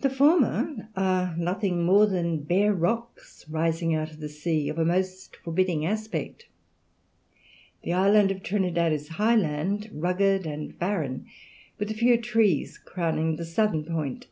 The former are nothing more than bare rocks rising out of the sea, of a most forbidding aspect. The island of Trinidad is high land, rugged and barren, with a few trees crowning the southern point.